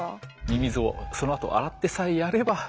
ミミズをそのあと洗ってさえやれば。